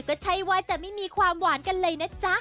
ก็ใช่ว่าจะไม่มีความหวานกันเลยนะจ๊ะ